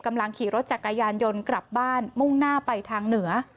กำลังขี่รถจักรยานยนต์กลับบ้านมุ่งหน้าไปทางเหนือ